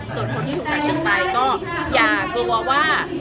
ส่วนคนที่ถูกตัดสินไปก็อย่ากลัวว่า